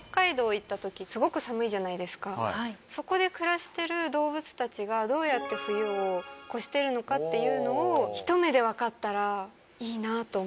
そこで暮らしてる動物たちがどうやって冬を越してるのかっていうのをひと目で分かったらいいなと思って。